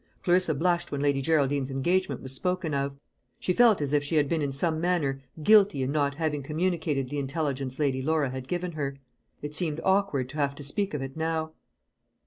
Clarissa blushed when Lady Geraldine's engagement was spoken of. She felt as if she had been in some manner guilty in not having communicated the intelligence Lady Laura had given her. It seemed awkward to have to speak of it now.